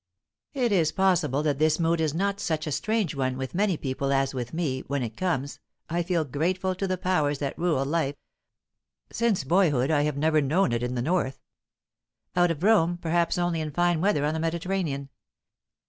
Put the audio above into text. It is possible that this mood is not such a strange one with many people as with me, when it comes, I feel grateful to the powers that rule life Since boyhood, I have never known it in the north. Out of Rome, perhaps only in fine weather on the Mediterranean.